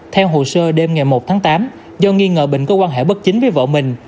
theo hồ sơ đêm ngày một tháng tám do nghi ngờ bình có quan hệ bất chính với vợ mình